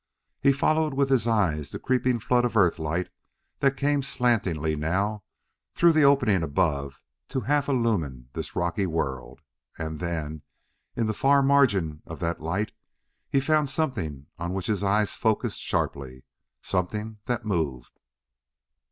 He followed with his eyes the creeping flood of Earth light that came slantingly now through the opening above to half illumine this rocky world; and then, in the far margin of that light he found something on which his eyes focused sharply something that moved!